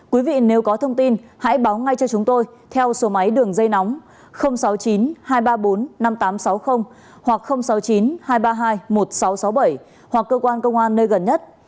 quý vị nếu có thông tin hãy báo ngay cho chúng tôi theo số máy đường dây nóng sáu mươi chín hai trăm ba mươi bốn năm nghìn tám trăm sáu mươi hoặc sáu mươi chín hai trăm ba mươi hai một nghìn sáu trăm sáu mươi bảy hoặc cơ quan công an nơi gần nhất